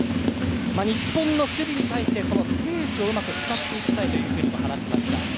日本の守備に対してスペースをうまく使いたいと話しました。